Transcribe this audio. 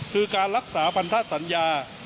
คือการรักษาพันธสัญญา